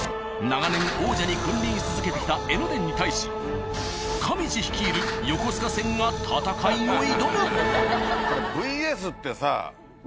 長年王者に君臨し続けてきた江ノ電に対し上地率いる横須賀線が戦いを挑む！